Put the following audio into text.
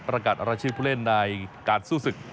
ประกาศราชินผู้เล่นในการสู้สึก